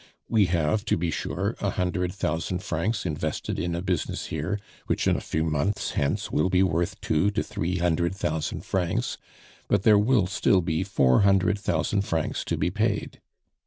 "We have, to be sure, a hundred thousand francs invested in a business here, which a few months hence will be worth two to three hundred thousand francs; but there will still be four hundred thousand francs to be paid.